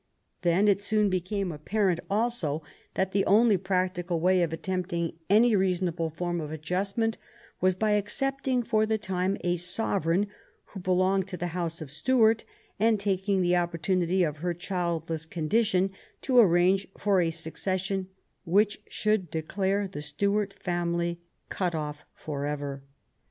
Then it soon became apparent also 25 THE REIGN OP QUEEN ANNE that the only practical way of attempting any reason able form of adjustment was by accepting for the time a sovereign who belonged to the house of Stuart, and taking the opportunity of her childless condition to arrange for a succession which should declare the Stuart family cut off forever.